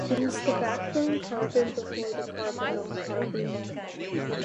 It is the backbone carbon before the carbonyl carbon.